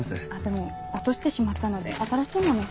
でも落としてしまったので新しいもの。